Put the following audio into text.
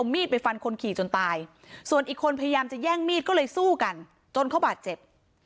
มีดไปฟันคนขี่จนตายส่วนอีกคนพยายามจะแย่งมีดก็เลยสู้กันจนเขาบาดเจ็บ